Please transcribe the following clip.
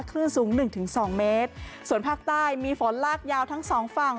คลื่นสูง๑๒เมตรส่วนภาคใต้มีฝนลากยาวทั้ง๒ฝั่ง